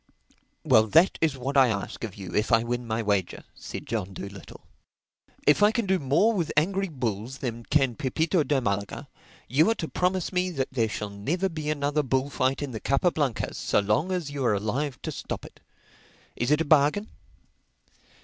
"Well that is what I ask of you—if I win my wager," said John Dolittle. "If I can do more with angry bulls than can Pepito de Malaga, you are to promise me that there shall never be another bullfight in the Capa Blancas so long as you are alive to stop it. Is it a bargain?"